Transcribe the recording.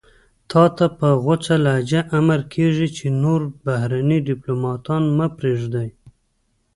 تاته په غوڅه لهجه امر کېږي چې نور بهرني دیپلوماتان مه پرېږدئ.